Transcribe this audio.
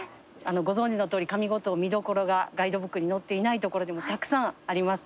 ご存じのとおり上五島見どころがガイドブックに載っていない所でもたくさんあります。